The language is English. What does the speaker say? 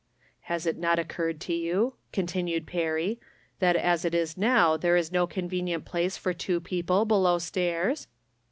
" Has it not occurred to you," continued Perry, " that as it is now there is no convenient place for two people below stairs